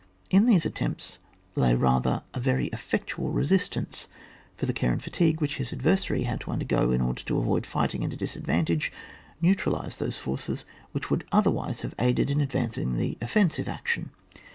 In these attempts lay rather a very effectual resistance ; for the care and fatigue, which his adversary had to undergo in order to avoid fighting at a disadvantage, neutralised those forces which would otherwise have aided in advancing the offensive action.